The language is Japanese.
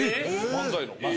・漫才の。